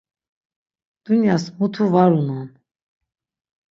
Dunyas mutu var unon.